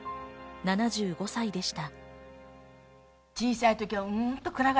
７５歳でした。